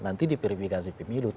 nanti di perifikasi pemilu